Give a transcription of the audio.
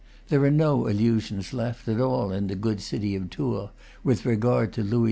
There are no illusions left, at all, in the good city of Tours, with regard to Louis XI.